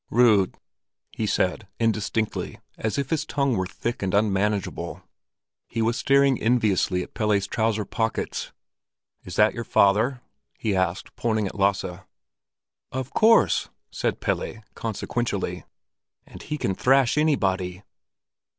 "Rud," he said, indistinctly, as if his tongue were thick and unmanageable. He was staring enviously at Pelle's trouser pockets. "Is that your father?" he asked, pointing at Lasse. "Of course!" said Pelle, consequentially. "And he can thrash everybody."